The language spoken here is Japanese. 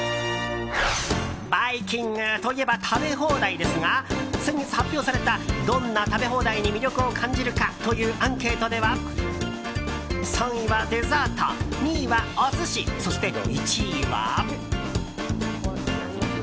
バイキングといえば食べ放題ですが先月発表されたどんな食べ放題に魅力を感じるかというアンケートでは３位はデザート、２位はお寿司そして１位は。